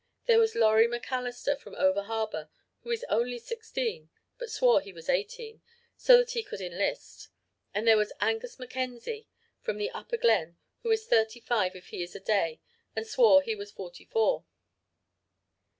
There was Laurie McAllister from over harbour who is only sixteen but swore he was eighteen, so that he could enlist; and there was Angus Mackenzie, from the Upper Glen who is fifty five if he is a day and swore he was forty four.